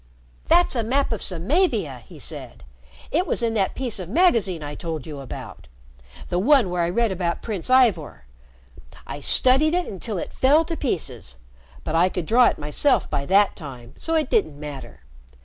"That's a map of Samavia," he said. "It was in that piece of magazine I told you about the one where I read about Prince Ivor. I studied it until it fell to pieces. But I could draw it myself by that time, so it didn't matter.